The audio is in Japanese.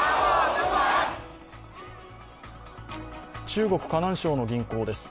中国・河南省の銀行です。